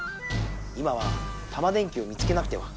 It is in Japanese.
今はタマ電Ｑを見つけなくては。